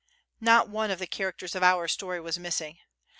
Xot one of the characters of our story was missing.